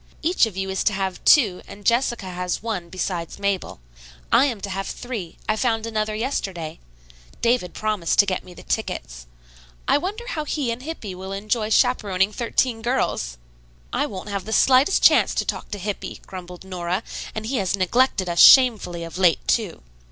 Each of you is to have two and Jessica has one besides Mabel. I am to have three; I found another yesterday. David promised to get me the tickets. I wonder how he and Hippy will enjoy chaperoning thirteen girls?" "I won't have the slightest chance to talk to Hippy," grumbled Nora, "and he has neglected us shamefully of late, too."